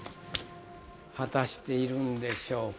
果たしているんでしょうか？